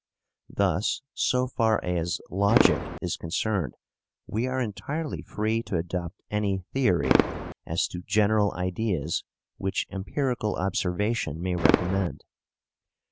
Thus, so far as logic is concerned, we are entirely free to adopt any theory as to general ideas which empirical observation may recommend.